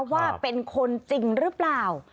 ว่าเป็นคนจริงหรือเปล่า